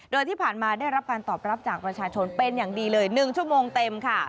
โดยที่ผ่านมาได้รับการตอบรับจากประชาชนเป็นอย่างดีเลย๑ชั่วโมงเต็มค่ะ